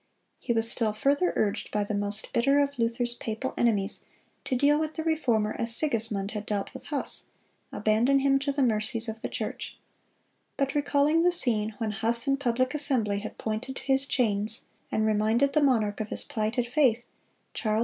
(225) He was still further urged by the most bitter of Luther's papal enemies to deal with the Reformer as Sigismund had dealt with Huss,—abandon him to the mercies of the church; but recalling the scene when Huss in public assembly had pointed to his chains and reminded the monarch of his plighted faith, Charles V.